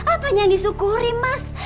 apanya yang disyukuri mas